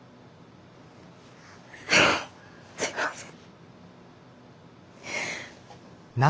すみません。